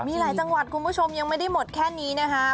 มีหลายจังหวัดคุณผู้ชมยังไม่ได้หมดแค่นี้นะคะ